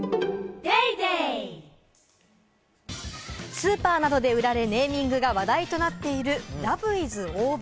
スーパーなどで売られ、ネーミングが話題となっている「らぶいず大葉」。